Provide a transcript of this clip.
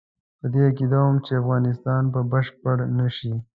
په دې عقیده وو چې افغانستان به بشپړ نه شي.